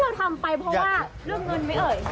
ขออนุญาตขออนุญาตขออนุญาต